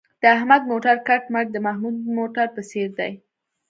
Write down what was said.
د احمد موټر کټ مټ د محمود د موټر په څېر دی.